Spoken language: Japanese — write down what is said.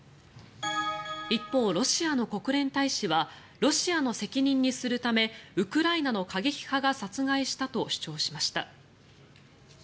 一方、ロシアの国連大使はロシアの責任にするためウクライナの過激派が殺害したと主張しました。